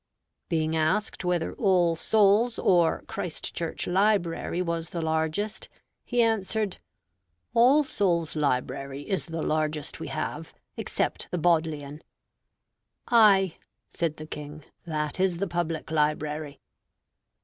Being asked whether All Souls or Christ Church library was the largest, he answered, "All Souls library is the largest we have, except the Bodleian." "Ay" (said the King), "that is the public library."